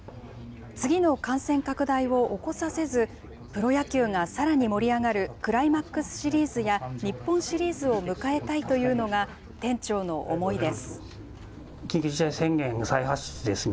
次の感染拡大を起こさせず、プロ野球がさらに盛り上がる、クライマックスシリーズや日本シリーズを迎えたいというのが、店長の思いです。